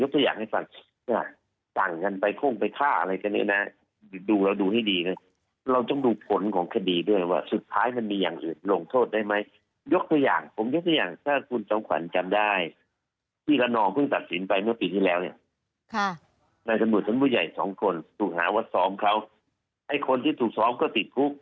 เพราะฉะนั้นศาลดีการินตัวเขาก็มองคนที่ถูกซ้อมศาลต้นหลุดศาลวุชัลหลุด